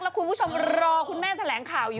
แล้วคุณผู้ชมรอคุณแม่แถลงข่าวอยู่